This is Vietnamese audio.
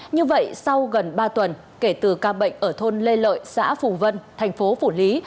như vậy sau gần ba tuần kể từ ca bệnh ở thôn lê lợi xã phù vân thành phố phủ lý